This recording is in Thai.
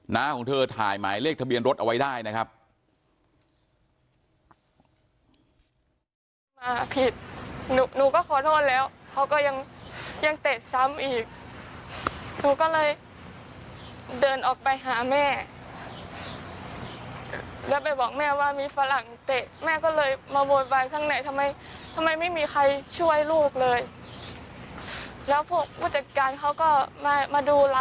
น้าของเธอถ่ายหมายเลขทะเบียนรถเอาไว้ได้นะครับ